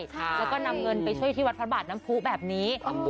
แล้วก็นำเงินไปช่วยที่วัดพระบาทน้ำผู้แบบนี้